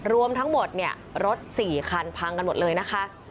รวมทั้งหมดเนี่ยรถ๔คันพังกันหมดเลยนะคะ